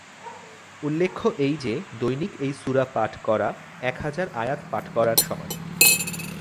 উল্লেখ্য এই যে, দৈনিক এই সূরা পাঠ করা এক হাজার আয়াত পাঠ করার সমান।